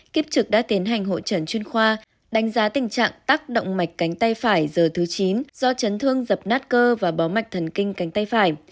kiếp trực đã tiến hành hội trần chuyên khoa đánh giá tình trạng tác động mạch cánh tay phải giờ thứ chín do chấn thương dập nát cơ và bó mạch thần kinh cánh tay phải